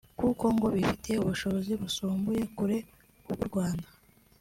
kuko ngo kibifitiye ubushobozi busumba kure ubw’u Rwanda